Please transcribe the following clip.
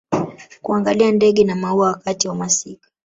kuangalia ndege na maua wakati wa masika